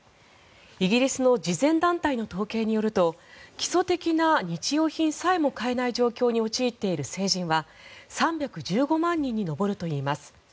イギリスの慈善団体の統計によると基礎的な日用品さえも買えない状況に陥っている成人は３１５万人に上るといいます。